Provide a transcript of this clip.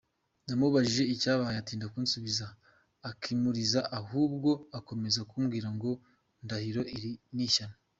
Namubajije icyabaye atinda kunsubiza ikimuriza ahubwo akomeza kumbwira ngo “Ndahiro iri ni ishyano” !